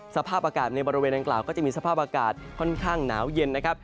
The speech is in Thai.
สภาพอากาศในบริเวณอังกล่าวก็จะมีสภาพอากาศค่อนข้างหนาวเย็นนะครับ